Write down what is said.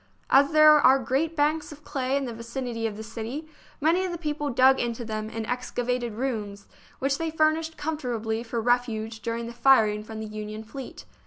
As there are great banks of clay in the vicinity of the city, many of the people dug into them and excavated rooms, which they furnished comfortably for refuge during the firing from the Union fleet.